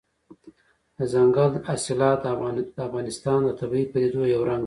دځنګل حاصلات د افغانستان د طبیعي پدیدو یو رنګ دی.